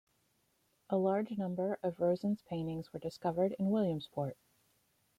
A large number of Roesen's paintings were discovered in Williamsport.